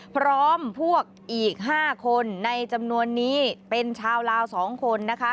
พร้อมพวกอีก๕คนในจำนวนนี้เป็นชาวลาว๒คนนะคะ